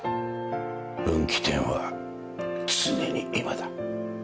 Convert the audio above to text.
分岐点は常に今だ。